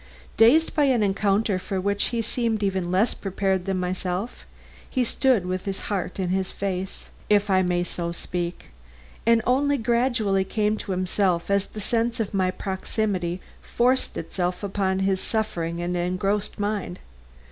Dazed by an encounter for which he seemed even less prepared than myself, he stood with his heart in his face, if I may so speak, and only gradually came to himself as the sense of my proximity forced itself in upon his suffering and engrossed mind.